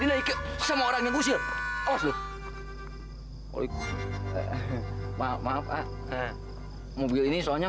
dinaikkan sama orang yang usia oh maaf maaf ah mobil ini soalnya